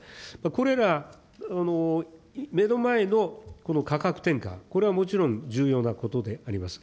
これら、目の前のこの価格転嫁、これはもちろん重要なことであります。